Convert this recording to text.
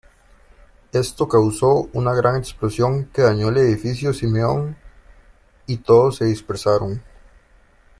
Esto causó una gran explosión que dañó el edificio Simeón, y todos se dispersaron.